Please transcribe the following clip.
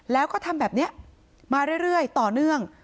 แล้วก็ทำแบบนี้มาเรื่อยต่อเนื่อง